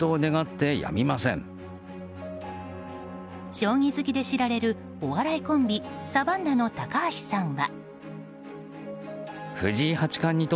将棋好きで知られるお笑いコンビ、サバンナの高橋さんは。